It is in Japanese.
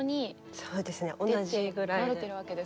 そうですね同じぐらいで。